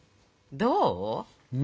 どう？